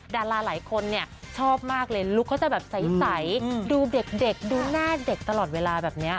ดาราหลายคนเนี่ยชอบมากเลยลุคเขาจะแบบใสดูเด็กดูหน้าเด็กตลอดเวลาแบบนี้